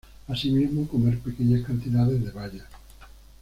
Asimismo, comer pequeñas cantidades de bayas.